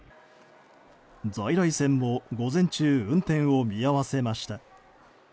在来線も午前中運転を見合わせました。